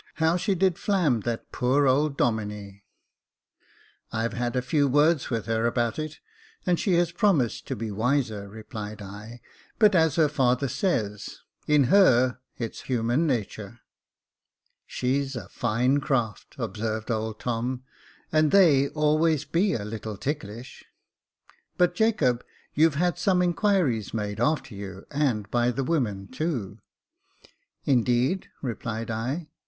How she did flam that poor old Domine !"" I have had a few words with her about it, and she has promised to be wiser," replied I ;but as her father says, ' in her, it's human natur.' "She's a fine craft," observed old Tom, " and they always be a little ticklish. But Jacob, you've had some inquiries made after you, and by the women too." " Indeed !" rephed I.